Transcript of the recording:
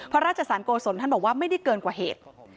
พระราชสารโกศลท่านบอกว่าไม่ได้เกินกว่าเหตุ